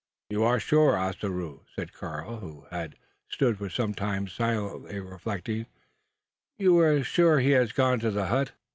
"You are sure, Ossaroo," said Karl, who had stood for some time silently reflecting, "you are sure he has gone to the hut?"